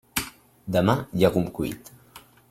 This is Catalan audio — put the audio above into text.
Demà, llegum cuit.